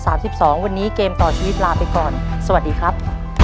สามสิบสองวันนี้เกมต่อชีวิตลาไปก่อนสวัสดีครับ